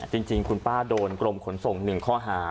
จริงจริงคุณป้าโดนกลมขนส่งหนึ่งข้อหา